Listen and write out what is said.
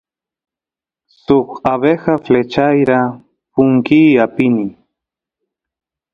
suk abeja flechyara punkiy apini